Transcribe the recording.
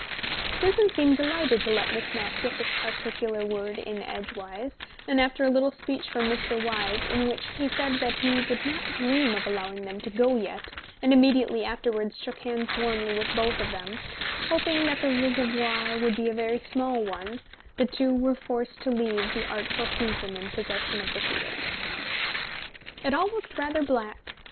Susan seemed delighted to let Miss Mapp get this particular word in edgewise, and after a little speech from Mr. Wyse, in which he said that he would not dream of allowing them to go yet, and immediately afterwards shook hands warmly with them both, hoping that the reservoir would be a very small one, the two were forced to leave the artful Susan in possession of the field. ... It all looked rather black.